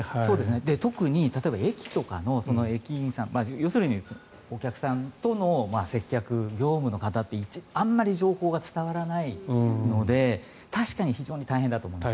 特に例えば駅とかの駅員さん要するにお客さんとの接客業務の方ってあまり情報が伝わらないので確かに大変だと思います。